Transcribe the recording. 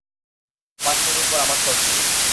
পাঁচ মিনিট পর আবার শর্ট নিবো!